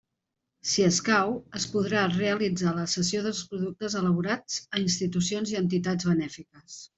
Si escau, es podrà realitzar la cessió dels productes elaborats a institucions i entitats benèfiques.